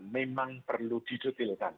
memang perlu didutilkan